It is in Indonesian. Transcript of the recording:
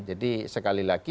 jadi sekali lagi